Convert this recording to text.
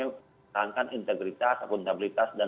menahankan integritas akuntabilitas dan